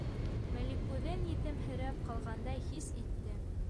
Маликүҙен етемһерәп ҡалғандай хис итте.